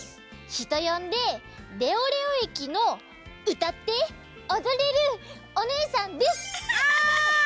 ひとよんで「レオレオえきのうたっておどれるおねえさん」です。